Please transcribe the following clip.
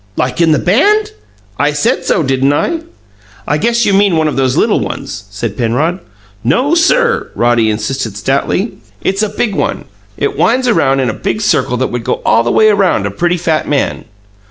"Like in the BAND?" "I said so, didn't I?" "I guess you mean one of those little ones," said Penrod. "No, sir!" Roddy insisted stoutly; "it's a big one! It winds around in a big circle that would go all the way around a pretty fat man."